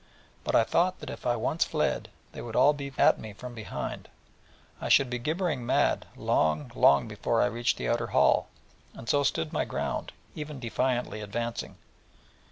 But I thought that if I once fled, they would all be at me from behind, and I should be gibbering mad long, long before I reached the outer hall, and so stood my ground, even defiantly advancing.